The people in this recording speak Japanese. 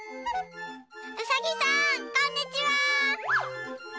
ウサギさんこんにちは！